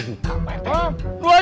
dua juta pak rete